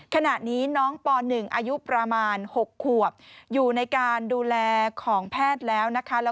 ขณะนี้น้องป๑อายุประมาณ๖ขวบอยู่ในการดูแลของแพทย์แล้วนะคะ